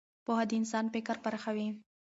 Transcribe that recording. پوهه د انسان فکر پراخوي.